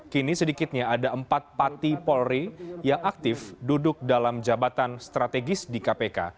kini sedikitnya ada empat pati polri yang aktif duduk dalam jabatan strategis di kpk